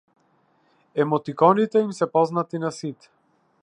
Емотиконите им се познати на сите.